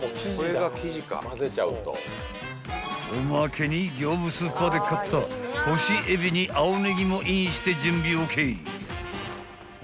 ［おまけに業務スーパーで買った干しえびに青ねぎもインして準備ＯＫ］